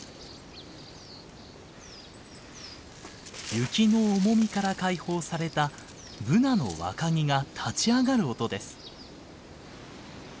雪の重みから解放されたブナの若木が立ち上がる音です。